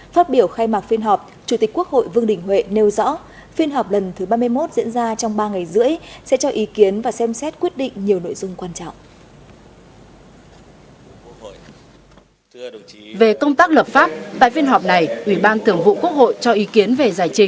phát biểu khai mạc phiên họp chủ tịch quốc hội vương đình huệ nêu rõ phiên họp lần thứ ba mươi một diễn ra trong ba ngày rưỡi sẽ cho ý kiến và xem xét quyết định nhiều nội dung quan trọng